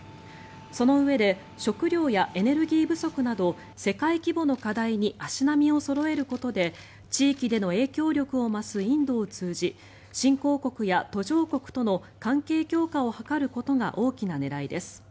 そのうえで食糧やエネルギー不足など世界規模の課題に足並みをそろえることで地域での影響力を増すインドを通じ新興国や途上国との関係強化を図ることが大きな狙いです。